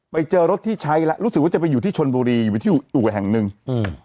ไปเจอรถที่ใช้แล้วรู้สึกว่าจะไปอยู่ที่ชนบุรีอยู่ที่อู่แห่งหนึ่งอืม